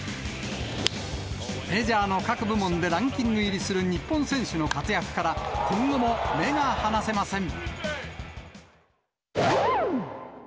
メジャーの各部門でランキング入りする日本選手の活躍から、今後も目が離せません。